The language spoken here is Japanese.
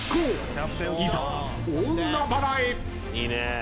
［いざ大海原へ！］